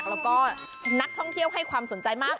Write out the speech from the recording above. แล้วก็นักท่องเที่ยวให้ความสนใจมาก